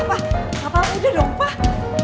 apa apa udah dong pak